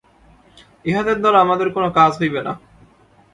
ইঁহাদের দ্বারা আমাদের কোন কাজ হইবে না।